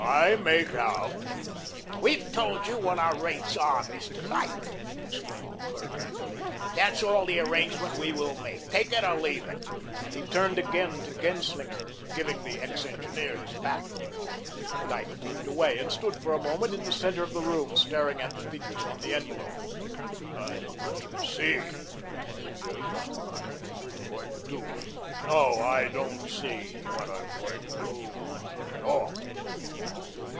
I make out "We've told you what our rates are, Mr. Dyke," exclaimed the clerk angrily. "That's all the arrangement we will make. Take it or leave it." He turned again to Genslinger, giving the ex engineer his back. Dyke moved away and stood for a moment in the centre of the room, staring at the figures on the envelope. "I don't see," he muttered, "just what I'm going to do. No, I don't see what I'm going to do at all."